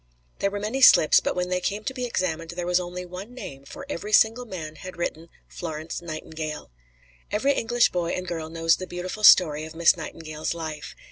There were many slips, but when they came to be examined there was only one name, for every single man had written "Florence Nightingale." Every English boy and girl knows the beautiful story of Miss Nightingale's life.